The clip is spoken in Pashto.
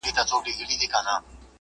سبزېجات وچ کړه!!